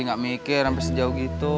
enggak mikir hampir sejauh gitu